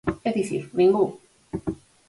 É dicir, ningún.